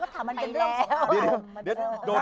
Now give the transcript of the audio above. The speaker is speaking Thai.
แต่ถามันไปแล้ว